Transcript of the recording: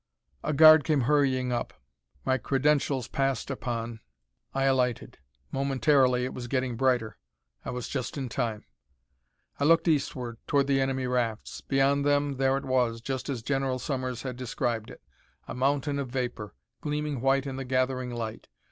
A guard came hurrying up. My credentials passed upon, I alighted. Momentarily, it was getting brighter. I was just in time. I looked eastward, toward the enemy rafts. Beyond them, there it was, just as General Sommers had described it a mountain of vapor, gleaming white in the gathering light.